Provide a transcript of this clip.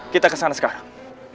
kita kesana sekarang